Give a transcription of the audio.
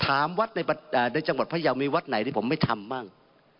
ถามวัดในจังหวัดพยาวมีวัดไหนที่ผมไม่ทำบ้าง